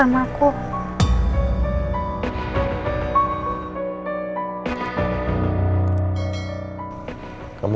kamu jaga kesehatan kamu